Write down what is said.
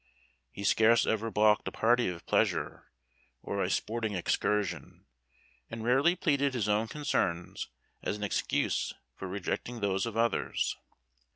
He scarce ever balked a party of pleasure, or a sporting excursion, and rarely pleaded his own concerns as an excuse for rejecting those of others.